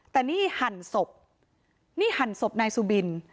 แต่นี่หั่นศพนี่หั่นศพนายสุบิน